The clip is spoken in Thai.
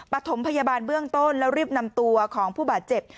ปฐมพยาบาลเบื้องต้นแล้วรีบนำตัวของผู้บาดเจ็บ